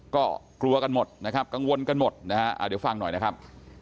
ก็กลัวกันหมดนะครับกังวลกันหมดนะฮะเดี๋ยวฟังหน่อยนะครับ